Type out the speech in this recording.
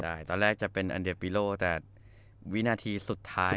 ใช่ตอนแรกจะเป็นอันเดปิโลแต่วินาทีสุดท้าย